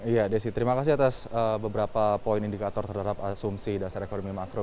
iya desi terima kasih atas beberapa poin indikator terhadap asumsi dasar ekonomi makro